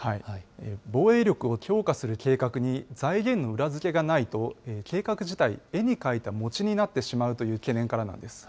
防衛力を強化する計画に財源の裏付けがないと、計画自体、絵に描いた餅になってしまうという懸念からなんです。